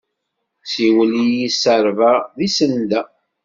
Siwel i yiserba, d isenda!